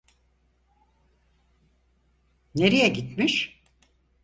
Nereye gitmiş?